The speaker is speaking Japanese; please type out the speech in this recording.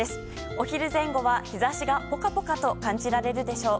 お昼前後は日差しがポカポカと感じられるでしょう。